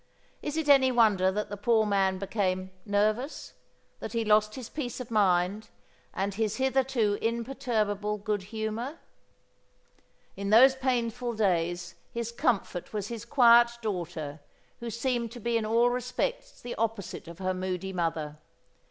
Is it any wonder that the poor man became "nervous"? that he lost his peace of mind and his hitherto imperturbable good humour? In those painful days his comfort was his quiet daughter who seemed to be in all respects the opposite of her moody mother.